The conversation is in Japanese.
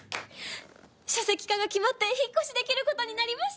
書籍化が決まって引っ越しできる事になりました！